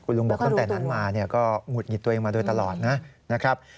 ลุงบอกตั้งแต่นั้นมาก็หงุดหงิดตัวเองมาโดยตลอดนะครับ